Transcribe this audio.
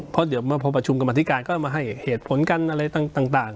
เพราะเดี๋ยวพอประชุมกรรมธิการก็มาให้เหตุผลกันอะไรต่าง